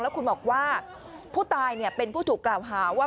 คุณบอกว่าผู้ตายเป็นผู้ถูกกล่าวหาว่า